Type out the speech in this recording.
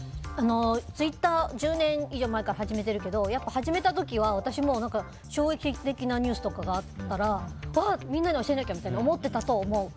ツイッター、１０年以上前から始めているけど始めた時は私も衝撃的なニュースとかがあったらみんなに教えなきゃみたいに思ってたと思う。